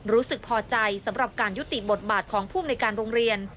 รู้สึกพอใจสำหรับการยุติบทบาทของผู้อำนวยการโรงเรียน